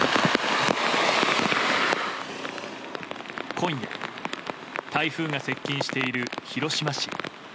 今夜、台風が接近している広島市。